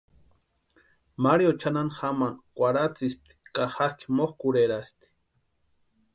Mario chʼanani jamani kwarhatsïspti ka jakʼi mokʼurherasti.